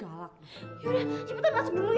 yaudah cepetan masuk dulu ya